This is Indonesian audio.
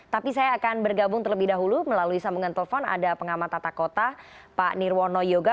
tapi saya akan bergabung terlebih dahulu melalui sambungan telepon ada pengamat tata kota pak nirwono yoga